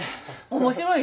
面白い？